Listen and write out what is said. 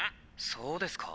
「そうですか？」